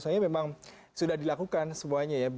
soalnya memang sudah dilakukan semuanya ya